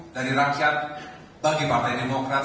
dari rakyat bagi partai demokrat